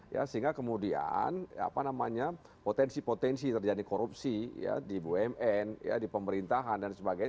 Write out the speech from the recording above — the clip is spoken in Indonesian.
ya sehingga kemudian apa namanya potensi potensi terjadi korupsi ya di bumn di pemerintahan dan sebagainya